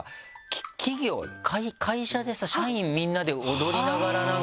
企業会社でさ社員みんなで踊りながら。